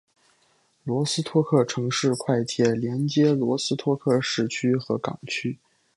罗斯托克城市快铁连接罗斯托克市区和港区。